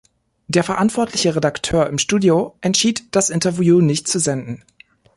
Der verantwortliche Redakteur im Studio entschied, das Interview nicht zu senden.